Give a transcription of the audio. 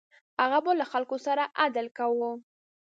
هغه به له خلکو سره عدل کاوه.